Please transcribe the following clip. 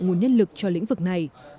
nguồn nhân lực cho lĩnh vực này